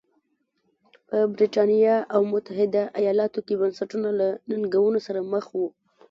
په برېټانیا او متحده ایالتونو کې بنسټونه له ننګونو سره مخ وو.